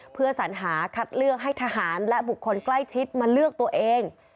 เพื่อสัญหาคัดเลือกให้ทหารและบุคคลใกล้ชิดมาเลือกตัวเอง